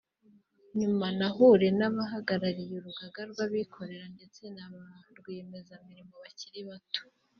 nyuma anahure n’abahagarariye Urugaga rw’Abikorera ndetse na ba rwiyemezamirimo bakiri bato